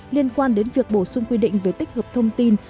liên quan đến việc bổ sung quy định về tích hợp thông tin